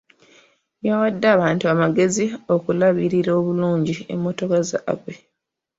Yawadde abantu amagezi okulabirira obulungi emmotoka zaabwe.